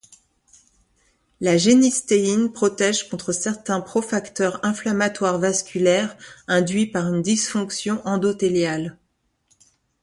La génistéine protège contre certains pro-facteurs inflammatoires vasculaires induits par une dysfonction endothéliale.